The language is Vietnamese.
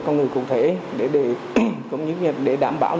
con người cụ thể để đảm bảo